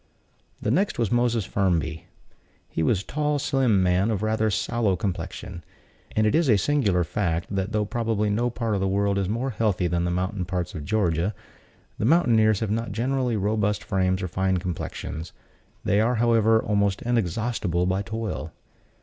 The next was Moses Firmby. He was a tall, slim man, of rather sallow complexion; and it is a singular fact, that though probably no part of the world is more healthy than the mountainous parts of Georgia, the mountaineers have not generally robust frames or fine complexions: they are, however, almost inexhaustible by toil.